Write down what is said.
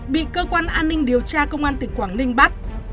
bị cơ quan an ninh điều tra công an tỉnh quảng ninh bắt